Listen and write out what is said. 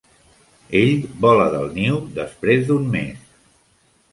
Ell vola del niu després d'un mes.